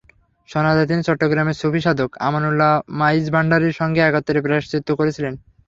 শোনা যায়, তিনি চট্টগ্রামের সুফিসাধক আমানুল্লাহ মাইজভান্ডারির সঙ্গে একত্রে প্রায়শ্চিত্ত করেছিলেন।